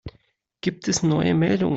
Gibt es neue Meldungen?